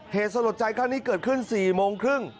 เหตุสลดใจครั้งนี้เกิดขึ้น๔โมงครึ่ง